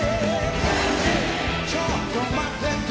「ちょっと待ってて」